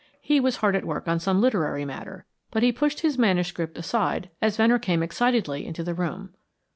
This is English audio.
He was hard at work on some literary matter, but he pushed his manuscript aside as Venner came excitedly into the room.